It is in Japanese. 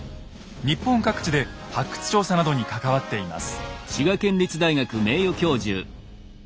日本各地で発掘調査などに関わっています。